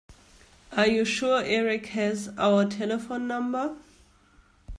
Are you sure Erik has our telephone number?